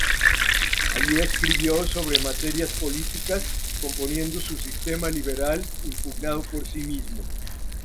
Allí escribió sobre materias políticas, componiendo su "Sistema liberal impugnado por sí mismo".